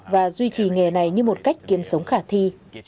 và duy trì nghề này như một cách kiếm sống khả thi